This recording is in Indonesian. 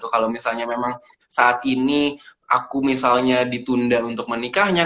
kalau misalnya memang saat ini aku misalnya ditunda untuk menikahnya